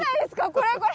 これこれ！